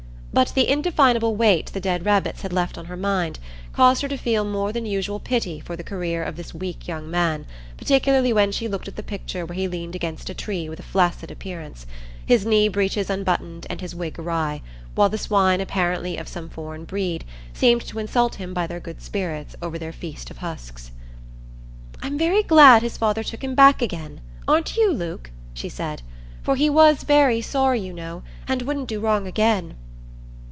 But the indefinable weight the dead rabbits had left on her mind caused her to feel more than usual pity for the career of this weak young man, particularly when she looked at the picture where he leaned against a tree with a flaccid appearance, his knee breeches unbuttoned and his wig awry, while the swine apparently of some foreign breed, seemed to insult him by their good spirits over their feast of husks. "I'm very glad his father took him back again, aren't you, Luke?" she said. "For he was very sorry, you know, and wouldn't do wrong again."